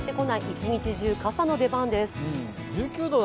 １日中傘の出番です。